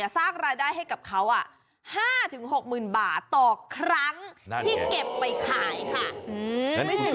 สร้างรายได้ให้กับเขา๕๖๐๐๐บาทต่อครั้งที่เก็บไปขายค่ะ